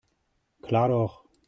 Klar doch.